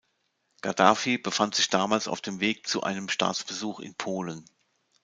Gaddafi befand sich damals auf dem Weg zu einem Staatsbesuch in Polen.